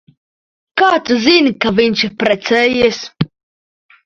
Kā tu zini, ka viņš ir precējies?